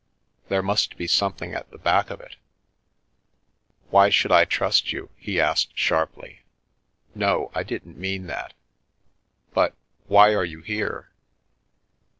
There must be something at the back of it." " Why should I trust you ?" he asked sharply. " No, I didn't mean that. But — why are you here